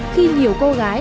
khi nhiều cô gái